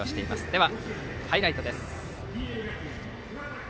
では、ハイライトです。